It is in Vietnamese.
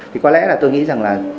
thì có lẽ là tôi nghĩ rằng là